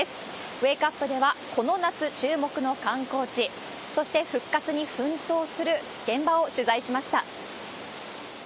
ウェークアップでは、この夏注目の観光地、そして復活に奮闘する現場を取材しました。